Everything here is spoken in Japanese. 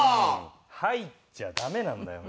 入っちゃ駄目なんだよ。